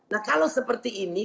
nah kalau seperti ini